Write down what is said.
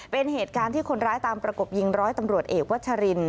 เป็นเหตุการณ์ที่คนร้ายตามประกบยิงร้อยตำรวจเอกวัชริน